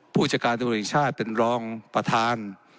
ผู้จัดการตำรวจแห่งชาติเป็นรองประธาน